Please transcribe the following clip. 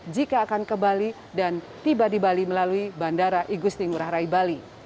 jika akan ke bali dan tiba di bali melalui bandara igusti ngurah rai bali